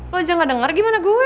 lo aja gak denger gimana gue